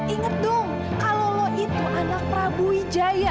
ingat dong kalau lo itu anak prabu wijaya